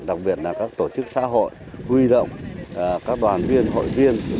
đặc biệt là các tổ chức xã hội huy động các đoàn viên hội viên